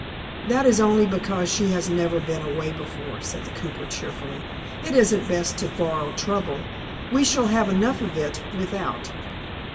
"That is only because she has never been away before," said the cooper, cheerfully. "It isn't best to borrow trouble; we shall have enough of it without."